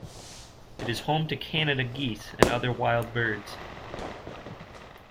It is home to Canada geese and other wild birds.